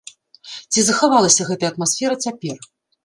Ці захавалася гэтая атмасфера цяпер?